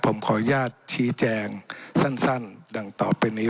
ผมขออนุญาตชี้แจงสั้นดังต่อไปนี้